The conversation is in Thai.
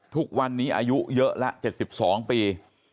ทุกวันนี้อายุเยอะแล้ว๗๒ปี